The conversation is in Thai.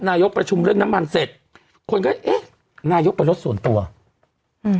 นายกประชุมเรื่องน้ำมันเสร็จคนก็เอ๊ะนายกเป็นรถส่วนตัวอืม